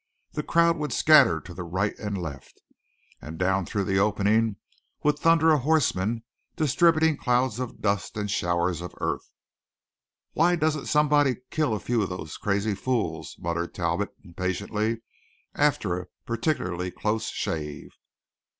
The crowd would scatter to right and left, and down through the opening would thunder a horseman distributing clouds of dust and showers of earth. "Why doesn't somebody kill a few of those crazy fools!" muttered Talbot impatiently, after a particularly close shave.